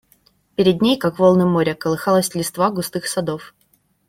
Перед ней, как волны моря, колыхалась листва густых садов.